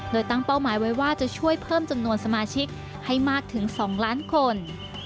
โดยตั้งเป้าหมายไว้ว่าจะช่วยเพิ่มจำนวนสมาชิกให้มากถึง๒ล้านคน